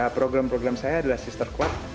program program saya adalah sister club